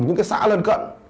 những cái xã lên cận